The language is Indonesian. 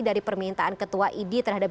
dari permintaan ketua idi terhadap